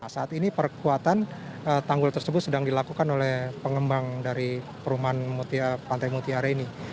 saat ini perkuatan tanggul tersebut sedang dilakukan oleh pengembang dari perumahan pantai mutiara ini